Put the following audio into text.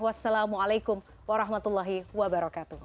wassalamualaikum warahmatullahi wabarakatuh